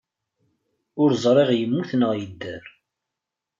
Ur ẓriɣ yemmut neɣ yedder.